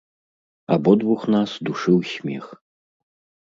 Абодвух нас душыў смех.